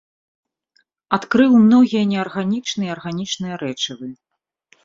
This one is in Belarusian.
Адкрыў многія неарганічныя і арганічныя рэчывы.